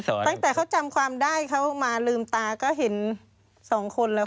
ตั้งแต่เขาจำความได้เขามาลืมตาก็เห็นสองคนแล้ว